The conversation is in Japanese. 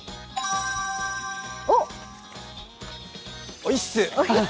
おいっす！